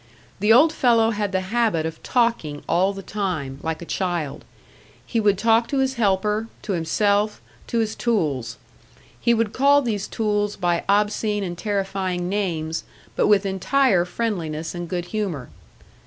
The old fellow had the habit of talking all the time, like a child; he would talk to his helper, to himself, to his tools. He would call these tools by obscene and terrifying names but with entire friendliness and good humour.